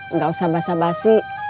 enggak usah basah basi